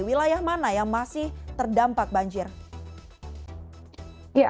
wilayah mana yang masih terdampak banjir